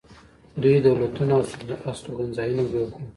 دوی دولتونه او استوګنځایونه جوړ کړل.